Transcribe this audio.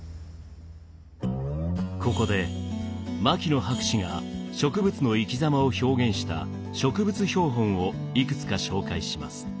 ここで牧野博士が植物の生き様を表現した植物標本をいくつか紹介します。